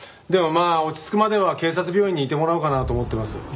でもまあ落ち着くまでは警察病院にいてもらおうかなと思ってます。